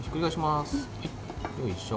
よいしょ。